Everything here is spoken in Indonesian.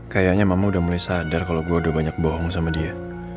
kayaknya mama udah mulai sadar kalau gue udah banyak bohong sama dia